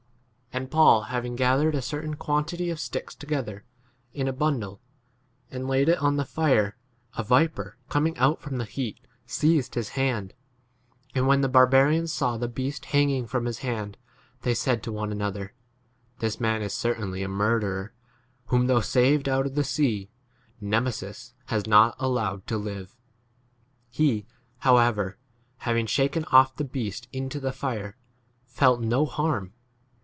And Paul having gathered a certain 2 quantity of sticks together in a bundle and laid [it] on the fire, a viper coming out from a the heat seized his hand. 4 And when the barbarians saw the beast hanging from his hand, they said to one another, This man is certainly a murderer, whom, [though] saved out of the sea, Nemesis has not allowed to live. 5 He however,' having shaken off the beast into the fire, felt no 9 harm.